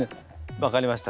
分かりました。